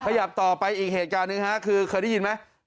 ขยับต่อไปอีกเหตุการณ์หนึ่งฮะคือเคยได้ยินไหม